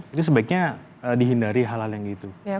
itu sebaiknya dihindari hal hal yang gitu